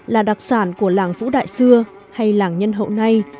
là đặc sản của làng vũ đại xưa hay làng nhân hậu nay